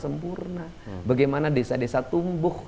sempurna bagaimana desa desa tumbuh